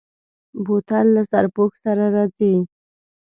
بوتل له سرپوښ سره راځي.